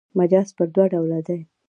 مجاز پر دوه ډوله دﺉ.